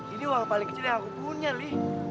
ini uang paling kecil yang aku punya nih